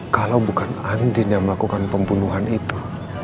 kalau bukan andin yang melakukan pembunuhan itu